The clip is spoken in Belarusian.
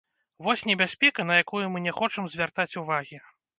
Вось небяспека, на якую мы не хочам звяртаць увагі.